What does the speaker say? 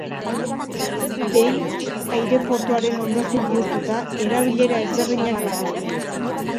Behin aireportuaren ondasun bihurtuta, erabilera ezberdinak dituzte.